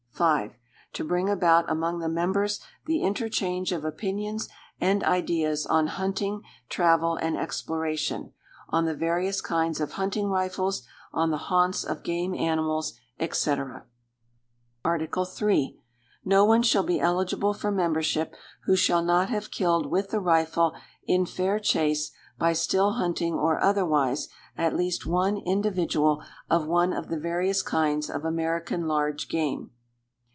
5. To bring about among the members the interchange of opinions and ideas on hunting, travel, and exploration; on the various kinds of hunting rifles; on the haunts of game animals, etc. Article III. No one shall be eligible for membership who shall not have killed with the rifle in fair chase, by still hunting or otherwise, at least one individual of one of the various kinds of American large game.